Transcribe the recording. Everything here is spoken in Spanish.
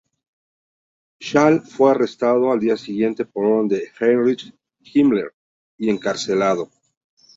Schaal fue arrestado al día siguiente por orden de Heinrich Himmler y encarcelado.